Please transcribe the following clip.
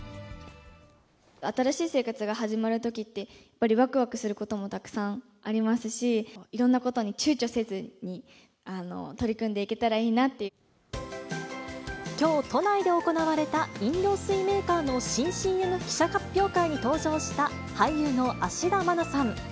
新しい生活が始まるときって、やっぱりわくわくすることもたくさんありますし、いろんなことにちゅうちょせずに、きょう、都内で行われた飲料水メーカーの新ＣＭ記者発表会に登場した、俳優の芦田愛菜さん。